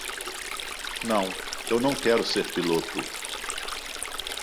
Não, eu não quero ser piloto.